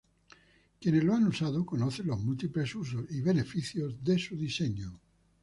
Quienes lo han usado conocen los múltiples usos y beneficios de su diseño.